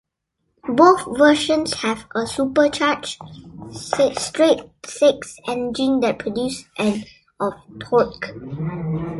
Both versions have a supercharged straight-six engine that produced and of torque.